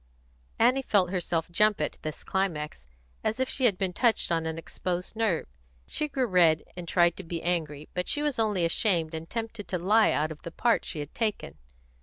Annie felt herself jump at this climax, as if she had been touched on an exposed nerve. She grew red, and tried to be angry, but she was only ashamed and tempted to lie out of the part she had taken.